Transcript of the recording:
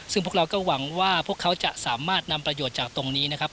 ซึ่งพวกเราก็หวังว่าพวกเขาจะสามารถนำประโยชน์จากตรงนี้นะครับ